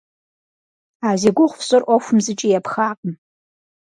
А зи гугъу фщӏыр ӏуэхум зыкӏи епхакъым.